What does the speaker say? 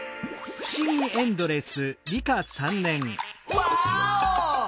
ワーオ！